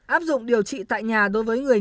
áp dụng điều trị tại nhà đối với người